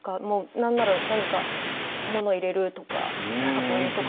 何なら何か物を入れるとか箱にとか。